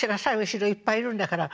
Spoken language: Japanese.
後ろいっぱいいるんだから」。